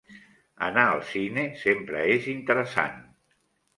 Anar al cine sempre és interessant.